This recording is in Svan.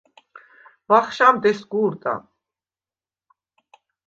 ვახშამდ ესგუ̄რდა.